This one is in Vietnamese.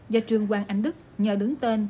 do trương quan anh đức nhờ đứng tên